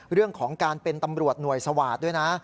เรื่องของการเป็นตำรวจหน่วยสวาสตร์ด้วยนะ